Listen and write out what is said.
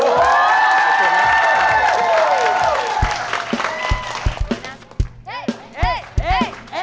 ดูนะ